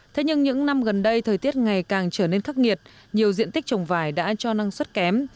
thế nhưng những năm gần đây thời tiết ngày càng trở nên khắc nghiệt nhiều diện tích trồng vải đã cho năng suất kém